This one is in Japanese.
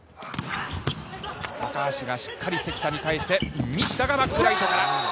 高橋がしっかりセッターに返して、西田がバックライトから。